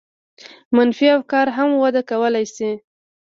منفي افکار هم وده کولای شي.